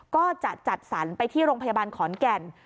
ก็จะจัดสรรไปที่โรงพยาบาลขอนแก่น